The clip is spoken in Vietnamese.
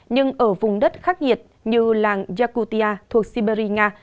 nhưng ở vùng đất khắc nghiệt như làng yakutia thuộc siberia